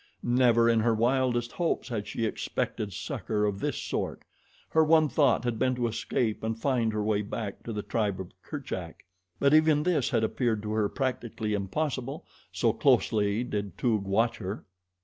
Never, in her wildest hopes, had she expected succor of this sort. Her one thought had been to escape and find her way back to the tribe of Kerchak; but even this had appeared to her practically impossible, so closely did Toog watch her.